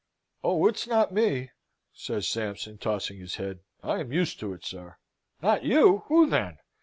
"Oh, it's not me!" says Sampson, tossing his head. "I am used to it, sir." "Not you! Who, then?